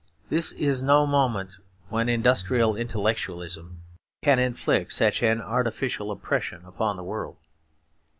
This is no moment when industrial intellectualism can inflict such an artificial oppression upon the world.